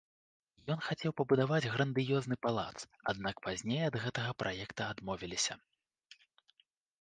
Ён хацеў пабудаваць грандыёзны палац, аднак пазней ад гэтага праекта адмовіліся.